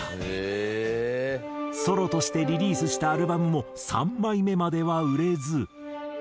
ソロとしてリリースしたアルバムも３枚目までは売れず。